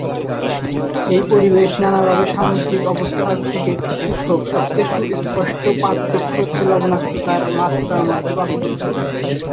এই পরিবেশ, নানাভাবে সামুদ্রিক অবস্থার থেকে পৃথক, সবচেয়ে সুস্পষ্ট পার্থক্য হচ্ছে লবণাক্ততার মাত্রার মধ্যে পার্থক্য।